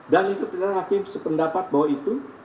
dan itu tidak hakim sependapat bahwa itu